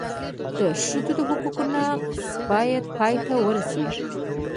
د ښځو د حقونو نقض باید پای ته ورسېږي.